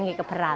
ini juga bayar